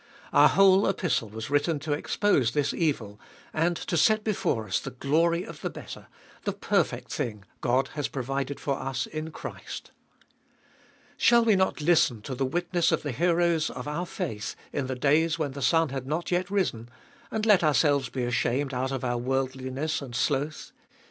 Our whole Epistle was written to expose this evil, and 476 Sbe Doliest of ZW to set before us the glory of the better, the perfect thing God has provided for us in Christ. Shall we not listen to the witness of the heroes of our faith in the days when the sun had not yet risen, and let ourselves be ashamed out of our worldliness and sloth?